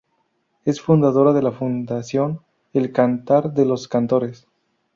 Es fundadora de la Fundación ""El cantar de los cantores".